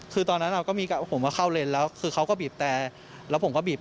คือตอนนั้นเราก็เกิดบอกว่าเขาเอาเลนแล้ว